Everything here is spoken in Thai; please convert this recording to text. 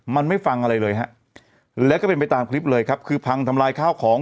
มันไม่ฟังอะไรเลยฮะแล้วก็เป็นไปตามคลิปเลยครับคือพังทำลายข้าวของ